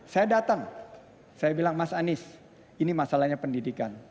saya datang saya bilang mas anies ini masalahnya pendidikan